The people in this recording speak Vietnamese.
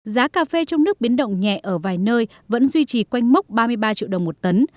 giá cà phê trong nước biến động nhẹ ở vài nơi vẫn duy trì quanh mốc ba mươi ba triệu đồng một tấn